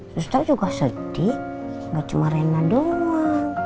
sus tau juga sedih gak cuma rena doang